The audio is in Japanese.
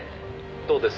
「どうです？